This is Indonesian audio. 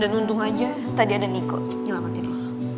dan untung aja tadi ada niko nyelamatin lo